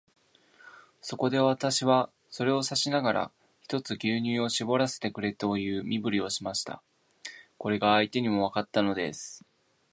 そこで、私はそれを指さしながら、ひとつ牛乳をしぼらせてくれという身振りをしました。これが相手にもわかったのです。